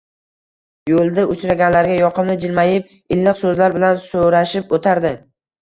Yo`lida uchraganlarga yoqimli jilmayib, iliq so`zlar bilan so`rashib o`tardi